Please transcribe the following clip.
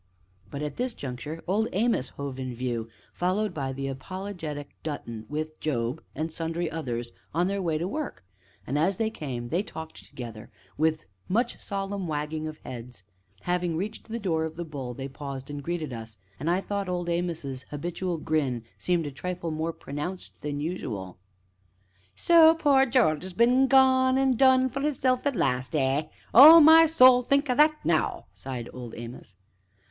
But, at this juncture, Old Amos hove in view, followed by the Apologetic Dutton, with Job and sundry others, on their way to work, and, as they came, they talked together, with much solemn wagging of heads. Having reached the door of "The Bull," they paused and greeted us, and I thought Old Amos's habitual grin seemed a trifle more pronounced than usual. "So poor Jarge 'as been an' gone an' done for 'isself at last, eh? Oh, my soul! think o' that, now!" sighed Old Amos.